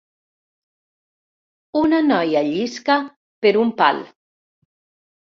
Una noia llisca per un pal